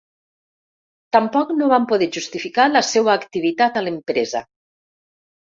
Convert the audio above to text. Tampoc no van poder justificar la seua activitat a l’empresa.